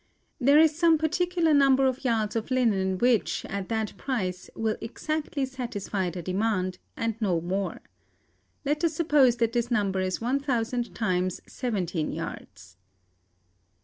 There is some particular number of yards of linen which, at that price, will exactly satisfy the demand, and no more. Let us suppose that this number is 1,000 times seventeen yards.